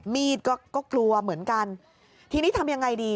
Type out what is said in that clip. มีดก็ก็กลัวเหมือนกันทีนี้ทำยังไงดี